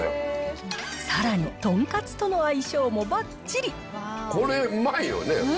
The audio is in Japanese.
さらに、とんかつとの相性もこれ、うまいよね。